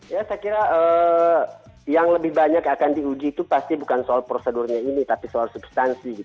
ya saya kira yang lebih banyak akan diuji itu pasti bukan soal prosedurnya ini tapi soal substansi